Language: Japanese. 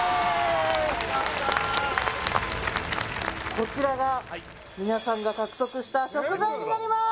こちらが皆さんが獲得した食材になります